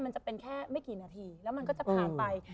มันจะเป็นแค่ไม่กี่นาทีแล้วมันก็จะผ่านไป